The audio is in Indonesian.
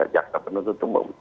jakta penuntut umum